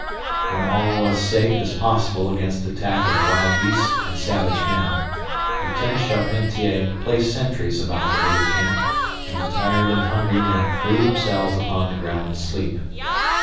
When all was safe as possible against attack of wild beasts and savage men, Lieutenant Charpentier placed sentries about the little camp and the tired and hungry men threw themselves upon the ground to sleep.